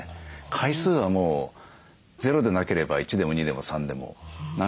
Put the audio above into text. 回数はもうゼロでなければ１でも２でも３でも何回でもいいです。